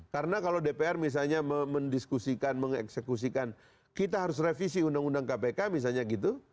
karena kalau dpr misalnya mendiskusikan mengeksekusikan kita harus revisi undang undang kpk misalnya gitu